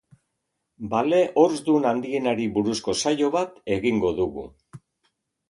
Bale horzdun handienari buruzko saio bat egingo dugu.